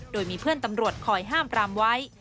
โดยมีเพื่อนตำรวจคอยห้ามปรามไว้